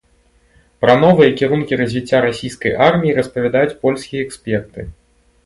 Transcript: Пра новыя кірункі развіцця расійскай арміі распавядаюць польскія эксперты.